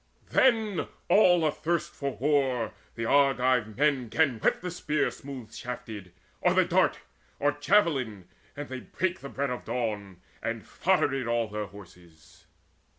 Then all athirst for war the Argive men 'Gan whet the spear smooth shafted, or the dart, Or javelin, and they brake the bread of dawn, And foddered all their horses.